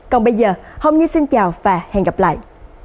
còn bây giờ hôm nay xin chào và hẹn gặp lại